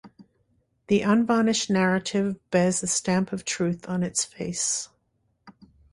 The unvarnished narrative bears the stamp of truth on its face.